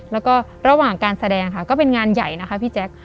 แล้วก็ระหว่างการแสดงค่ะก็เป็นงานใหญ่นะคะพี่แจ๊ค